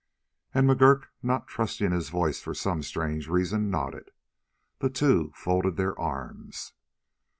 And McGurk, not trusting his voice for some strange reason, nodded. The two folded their arms.